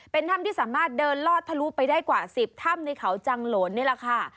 เป็นถ้ำที่สามารถเดินลอดทะลุไปได้กว่า๑๐ถ้ำในเขาจังหลนนี่แหละค่ะ